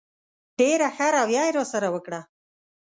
ډېره ښه رویه یې راسره وکړه.